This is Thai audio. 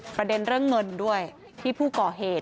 ประเด็นเรื่องเงินด้วยที่ผู้ก่อเหตุ